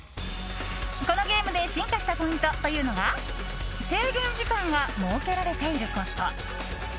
このゲームで進化したポイントというのが制限時間が設けられていること。